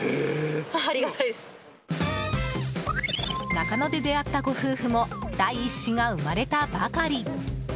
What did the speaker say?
中野で出会ったご夫婦も第１子が生まれたばかり。